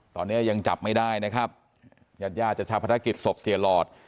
ตอนนี้ยังจับไม่ได้นะครับยัดย่าจัดชาบภารกิจศพเสียหลอด